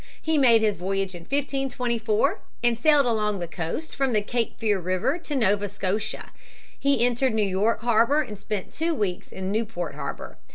He made his voyage in 1524 and sailed along the coast from the Cape Fear River to Nova Scotia. He entered New York harbor and spent two weeks in Newport harbor.